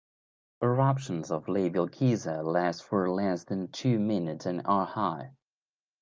Eruptions of Labial Geyser last for less than two minutes and are high.